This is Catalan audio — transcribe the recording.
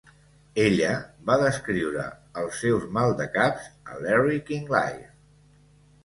Ella va descriure els seus mal de caps a "Larry King Live".